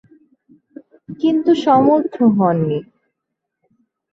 কিন্তু সমর্থ হননি।